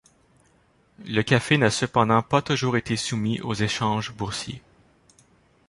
Le café n’a cependant pas toujours été soumis aux échanges boursiers.